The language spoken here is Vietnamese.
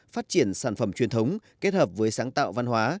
phát triển sản phẩm truyền thống kết hợp với sáng tạo văn hóa